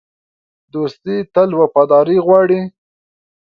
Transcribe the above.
دوستي تل وفاداري غواړي.